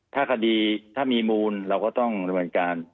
ถ้าคดีถ้ามีมูลเราก็ต้องในบริเวณการ